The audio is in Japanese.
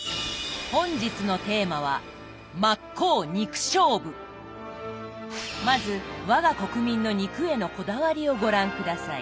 本日のテーマはまず我が国民の肉へのこだわりをご覧下さい。